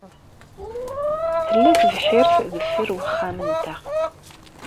Tella tebḥirt deffir wexxam-nteɣ.